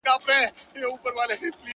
• پوهېږې په جنت کي به همداسي ليونی یم ـ